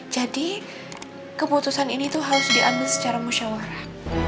jadi keputusan ini harus diambil secara musyawarah